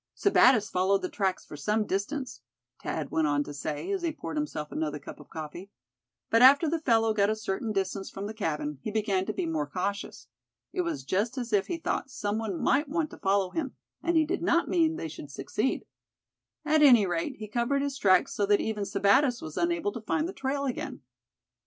"Sebattis followed the tracks for some distance," Thad went on to say, as he poured himself another cup of coffee; "but after the fellow got a certain distance from the cabin, he began to be more cautious. It was just as if he thought some one might want to follow him, and he did not mean they should succeed. At any rate, he covered his tracks so that even Sebattis was unable to find the trail again."